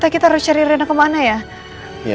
kita harus cari reno kemana ya